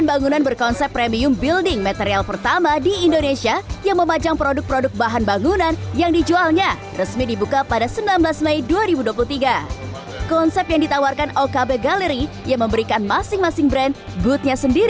bagaimana menurut anda